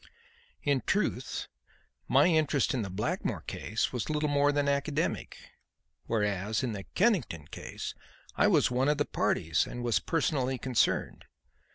In truth, my interest in the Blackmore case was little more than academic, whereas in the Kennington case I was one of the parties and was personally concerned.